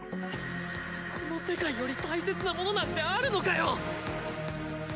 この世界より大切なものなんてあるのかよ。